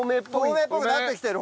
透明っぽくなってきてる！